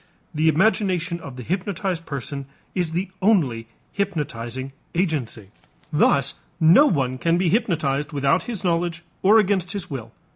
The imagination of the hypnotized person is the only hypnotizing agency. Thus no one can be hypnotized without his knowledge or against his will.